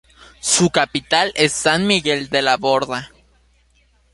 Su capital es San Miguel de la Borda.